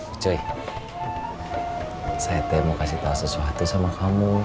ucuy saya mau kasih tau sesuatu sama kamu